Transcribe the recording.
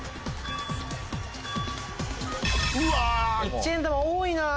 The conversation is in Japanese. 一円玉多いな！